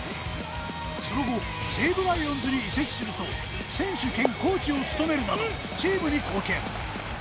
その後、西武ライオンズに移籍すると、選手兼コーチを務めるなどチームに貢献。